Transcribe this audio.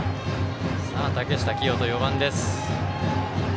竹下聖人、４番です。